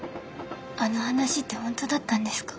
あの話って本当だったんですか？